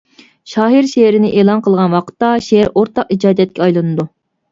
شائىر شېئىرىنى ئېلان قىلغان ۋاقىتتا شېئىر ئورتاق ئىجادىيەتكە ئايلىنىدۇ.